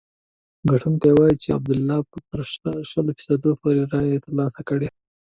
کتونکي وايي چې عبدالله به تر شلو فیصدو پورې رایې ترلاسه کړي.